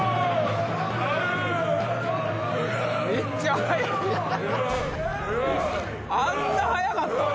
めっちゃ速いやん！